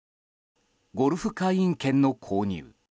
ゴルフ会員権の購入。